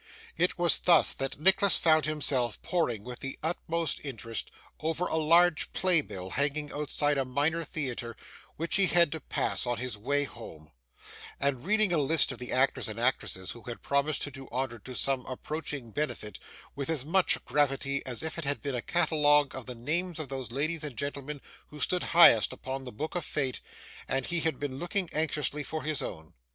It was thus that Nicholas found himself poring with the utmost interest over a large play bill hanging outside a Minor Theatre which he had to pass on his way home, and reading a list of the actors and actresses who had promised to do honour to some approaching benefit, with as much gravity as if it had been a catalogue of the names of those ladies and gentlemen who stood highest upon the Book of Fate, and he had been looking anxiously for his own.